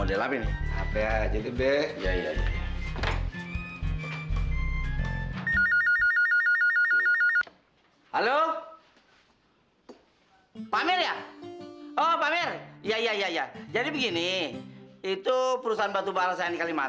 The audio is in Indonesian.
laura ngapain lo disini sendirian